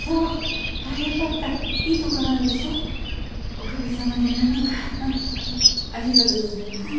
おかげさまでなんとか。ありがとうございます。